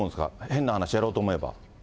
変な話、やろうと思えば。